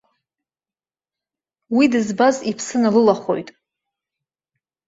Уи дызбаз, иԥсы налылахоит.